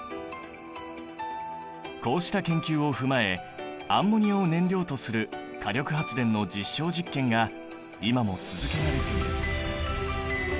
こうした研究を踏まえアンモニアを燃料とする火力発電の実証実験が今も続けられている。